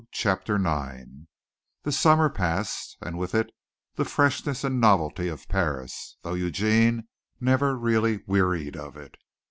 CHAPTER IX The summer passed, and with it the freshness and novelty of Paris, though Eugene never really wearied of it.